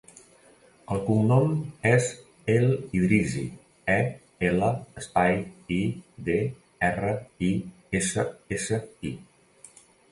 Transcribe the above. El cognom és El Idrissi: e, ela, espai, i, de, erra, i, essa, essa, i.